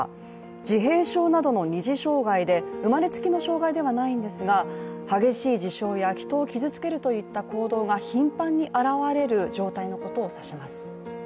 自閉症などの二次障害で、生まれつきの障害ではないんですが激しい自傷や人を傷つけるといった行動が頻繁に現れる状態のことを指します。